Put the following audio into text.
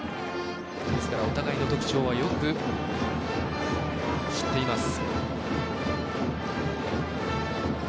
お互いの特徴はよく知っています。